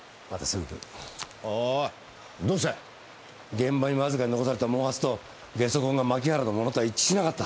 現場にわずかに残された毛髪とゲソ痕が槇原のものとは一致しなかった。